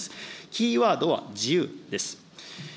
キーワードは自由です。